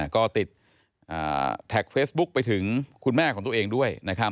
ก็ติดแท็กเฟซบุ๊คไปถึงคุณแม่ของตัวเองด้วยนะครับ